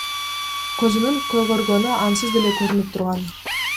Көзүнүн көгөргөнү ансыз деле көрүнүп турган.